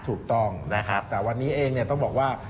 ถูกต้องแต่วันนี้เองต้องบอกว่า